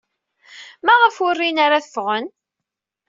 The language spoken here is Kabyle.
Maɣef ur rin ara ad ffɣen?